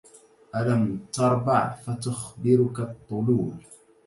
ألم تربع فتخبرك الطلول